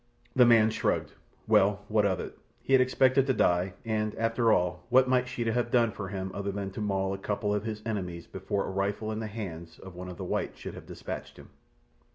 The man shrugged. Well, what of it? He had expected to die, and, after all, what might Sheeta have done for him other than to maul a couple of his enemies before a rifle in the hands of one of the whites should have dispatched him!